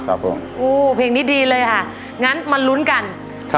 ครับผมโอ้เพลงนี้ดีเลยค่ะงั้นมาลุ้นกันครับ